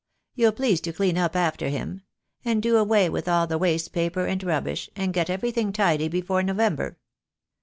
You'll please to clean up after him, and do away with all the waste paper and rubbish, and get everything tidy before November."